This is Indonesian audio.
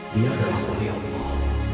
biarlah oleh allah